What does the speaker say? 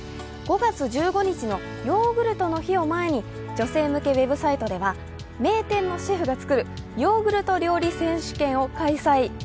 ５月１５日のヨーグルトの日を前に女性向けウェブサイトでは名店のシェフが作るヨーグルト料理選手権を開催。